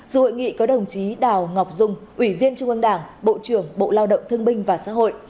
dù hội nghị có đồng chí đào ngọc dung ủy viên trung ương đảng bộ trưởng bộ lao động thương binh và xã hội